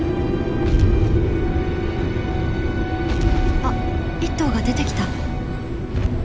あっ１頭が出てきた。